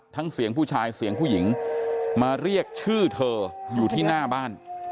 เสียงผู้ชายเสียงผู้หญิงมาเรียกชื่อเธออยู่ที่หน้าบ้าน